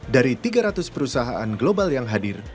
dari tiga ratus perusahaan global yang hadir